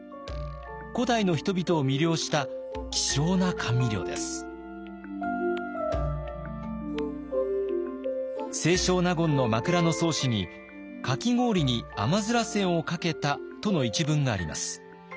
古代の人々を魅了した清少納言の「枕草子」に「かき氷に甘煎をかけた」との一文があります。